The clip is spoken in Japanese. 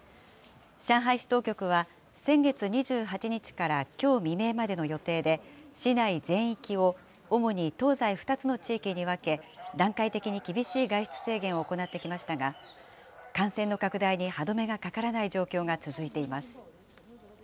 上海市当局は、先月２８日からきょう未明までの予定で、市内全域を主に東西２つの地域に分け、段階的に厳しい外出制限を行ってきましたが、感染の拡大に歯止めがかからない状況が続いています。